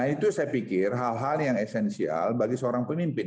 itu saya pikir hal hal yang esensial bagi seorang pemimpin